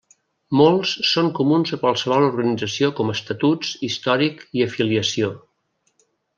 Molts són comuns a qualsevol organització com Estatuts, Històric i Afiliació.